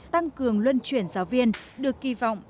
tăng cường luân chuyển giáo viên được kỳ vọng